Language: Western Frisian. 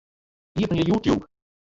Iepenje YouTube.